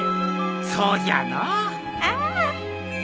そうじゃのう。ああ。